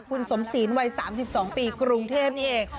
คุณสมศีลวัย๓๒ปีกรุงเทพนี่เอง